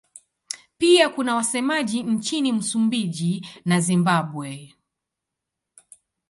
Pia kuna wasemaji nchini Msumbiji na Zimbabwe.